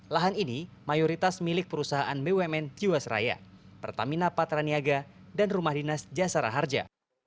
lahan ini mayoritas milik perusahaan bumn jiwasraya pertamina patraniaga dan rumah dinas jasara harja